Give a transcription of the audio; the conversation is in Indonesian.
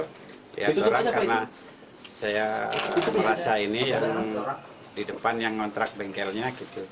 lihat orang karena saya merasa ini yang di depan yang ngontrak bengkelnya